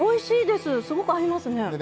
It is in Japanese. すごく合いますね。